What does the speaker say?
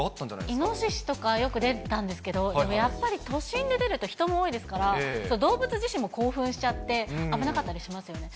イノシシとかよく出たんですけど、でもやっぱり都心で出ると、人も多いですから、動物自身も興奮しちゃって危なかったりしますよね。